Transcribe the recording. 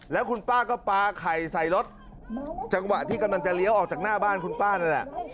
แล้วคุณป้าก็ปลาไข่ใส่รถจังหวะที่กำลังจะเลี้ยวออกจากหน้าบ้านคุณป้านั่นแหละ